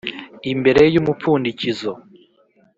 Imbere y umupfundikizo